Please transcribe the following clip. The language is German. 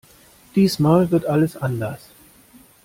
Diesmal wird alles anders!